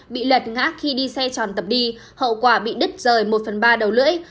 bị lật ngã khi đi xe tròn tập đi hậu quả bị đứt rời một phần ba đầu lưỡi